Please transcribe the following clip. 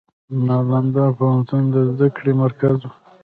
نالندا پوهنتون د زده کړې مرکز و.